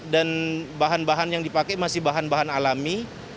dan bahan bahan yang dipakai masih bahan bahan alami